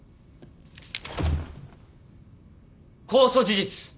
公訴事実。